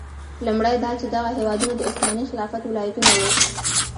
لومړی دا چې دغه هېوادونه د عثماني خلافت ولایتونه وو.